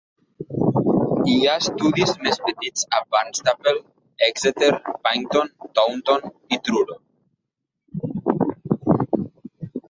Hi ha estudis més petits a Barnstaple, Exeter, Paignton, Taunton i Truro.